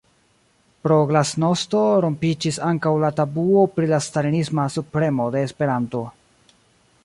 pro “glasnosto” rompiĝis ankaŭ la tabuo pri la stalinisma subpremo de Esperanto.